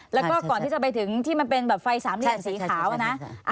แล้วก็ก่อนที่จะไปถึงที่มันเป็นแบบไฟสามเหลี่ยมสีขาวนะ